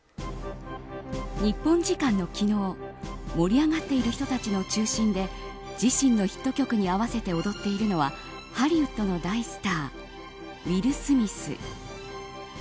日本時間の昨日盛り上がっている人たちの中心で自身のヒット曲に合わせて踊っているのはハリウッドの大スターウィル・スミス。